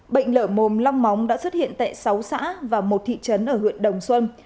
bệnh lở mồm long móng đã xuất hiện tại sáu xã và một thị trấn ở huyện đồng xuân